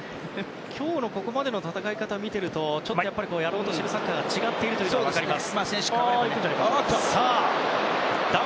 今日のここまでの戦い方を見ているとちょっとやろうとしているサッカーが違っているのが分かります。